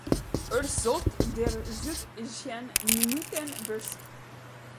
Erst sollte der Zug zehn Minuten Versp